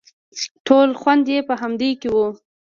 ټول خوند يې په همدې کښې و.